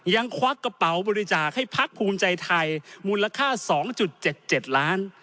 ควักกระเป๋าบริจาคให้พักภูมิใจไทยมูลค่า๒๗๗ล้าน